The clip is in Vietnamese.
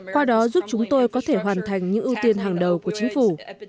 qua đó giúp chúng tôi có thể hoàn thành những ưu tiên hàng đầu của chính phủ